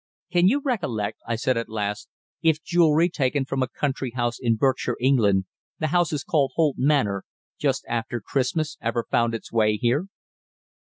"Can you recollect," I said at last, "if jewellery taken from a country house in Berkshire, England the house is called Holt Manor just after Christmas, ever found its way here?"